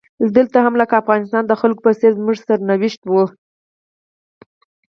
دلته هم لکه د افغانستان د خلکو په څیر زموږ سرنوشت و.